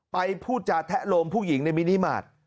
ไปผู้จาแทะโรมผู้หญิงในมินิมาร์ท